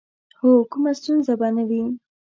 هو، کومه ستونزه به نه وي.